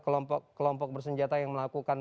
kelompok kelompok bersenjata yang melakukan